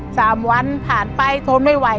สามวันผ่านไปทนไม่ไหว